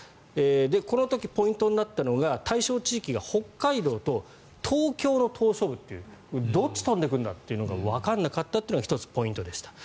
この時ポイントになったのが対象地域と北海道と東京の島しょ部というどっちに飛んでくるんだっていうことがわからなかったというのが１つ、ポイントでした。